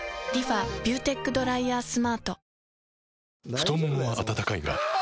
太ももは温かいがあ！